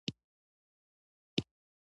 ډيپلومات د ملي ګټو دفاع کوي.